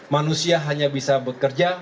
manusia hanya bisa bekerja